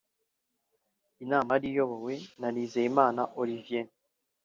inama yari iyobowe na Nizeyimana Olivier